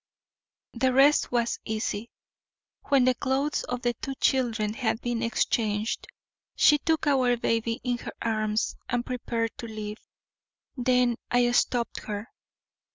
The rest was easy. When the clothes of the two children had been exchanged, she took our baby in her arms and prepared to leave. Then I stopped her.